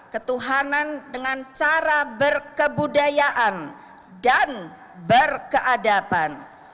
ketuhanan dengan cara berkebudayaan dan berkeadapan